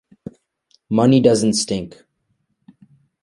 Money doesn’t stink.